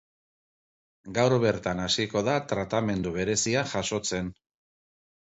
Gaur bertan hasiko da tratamendu berezia jasotzen.